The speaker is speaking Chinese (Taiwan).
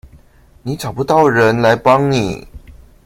你找不到人來幫你